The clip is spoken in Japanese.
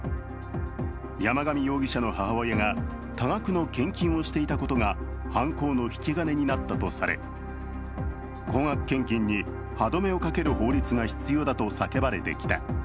山上容疑者の母親が多額の献金をしていたことが犯行の引き金になったとされ、高額献金に歯止めをかける法律が必要だと叫ばれてきた。